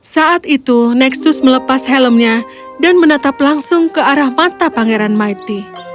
saat itu nexus melepas helmnya dan menatap langsung ke arah mata pangeran maiti